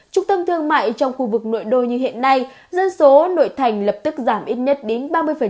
trung tâm thương mại trong khu vực nội đô như hiện nay dân số nội thành lập tức giảm ít nhất đến ba mươi